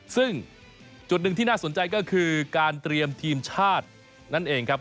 ซึ่งจุดหนึ่งที่น่าสนใจก็คือการเตรียมทีมชาตินั่นเองครับ